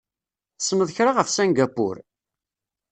Tessneḍ kra ɣef Singapur?